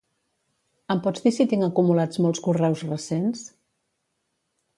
Em pots dir si tinc acumulats molts correus recents?